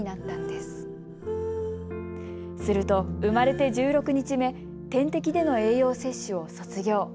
すると、生まれて１６日目、点滴での栄養摂取を卒業。